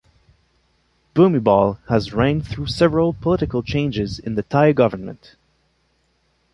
Bhumibol has reigned through several political changes in the Thai government.